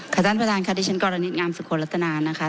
ค่ะท่านประธานค่ะที่ฉันกรณิตงามสุขลักษณะนะคะ